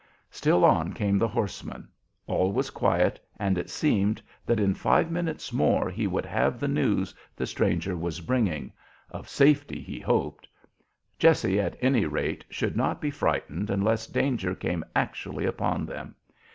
Still on came the horseman. All was quiet, and it seemed that in five minutes more he would have the news the stranger was bringing, of safety, he hoped. Jessie, at any rate, should not be frightened unless danger came actually upon them.